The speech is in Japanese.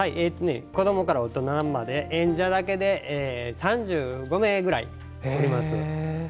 子どもから大人まで演者だけで３５名ぐらいおります。